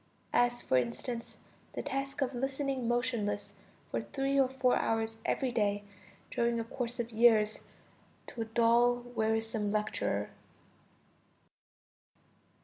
as, for instance, the task of listening motionless for three or four hours every day, during a course of years, to a dull, wearisome lecturer.